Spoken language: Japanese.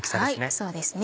そうですね。